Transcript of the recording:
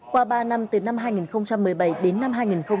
qua ba năm từ năm hai nghìn một mươi bảy đến năm hai nghìn một mươi bảy